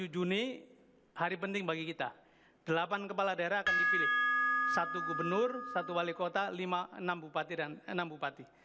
dua puluh juni hari penting bagi kita delapan kepala daerah akan dipilih satu gubernur satu wali kota enam bupati dan enam bupati